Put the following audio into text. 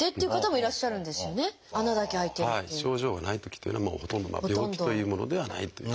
症状がないときというのはほとんど病気というものではないという。